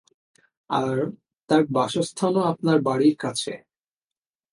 আর তাঁর বাসস্থানও আপনার বাড়ীর কাছে।